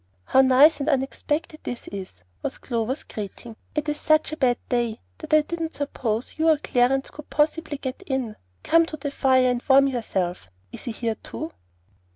"How nice and unexpected this is!" was Clover's greeting. "It is such a bad day that I didn't suppose you or Clarence could possibly get in. Come to the fire and warm yourself. Is he here too?"